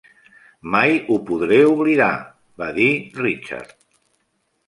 "Mai ho podré oblidar", va dir Richard.